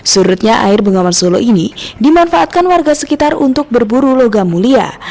surutnya air bengawan solo ini dimanfaatkan warga sekitar untuk berburu logam mulia